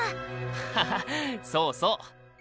ハハそうそう。